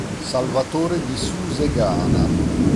Salvatore di Susegana.